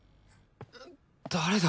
誰だ？